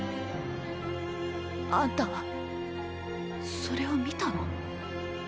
あんたはそれを見たの？